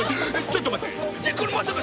ちょっと待って。